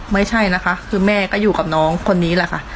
ไม่ใช่นะคะคือแม่ก็อยู่กับน้องคนนี้แหละค่ะ